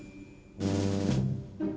dia udah berangkat